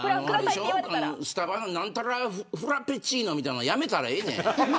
スタバの何たらフラペチーノみたいなの、やめたらええねん。